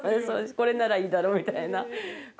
これならいいだろみたいな感じ。